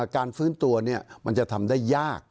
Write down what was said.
การฟื้นตัวมันจะทำได้ยาก